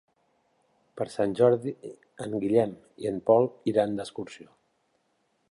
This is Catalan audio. Per Sant Jordi en Guillem i en Pol iran d'excursió.